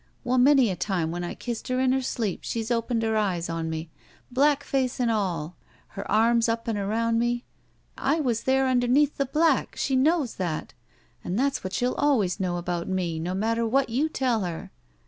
Well, many a time when I kissed her in her sleep she's opened her eyes on me — ^black face and all. Her arms up and around me. I was there under neath the bldck ! She knows that! And that's what she'll always know about me, no matter what you tell her.